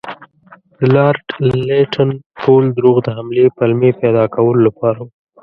د لارډ لیټن ټول دروغ د حملې پلمې پیدا کولو لپاره وو.